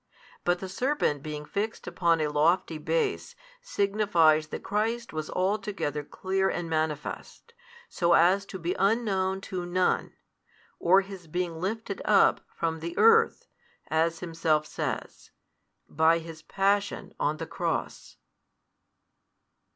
But the serpent being fixed upon a lofty base, signifies that Christ was altogether clear and manifest, so as to be unknown to none, or His being lifted up from the earth, as Himself says, by His Passion on the Cross.